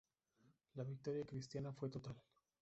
La victoria cristiana fue total.